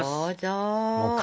どうぞ。